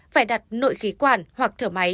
phải đặt nội khí quản hoặc thở máy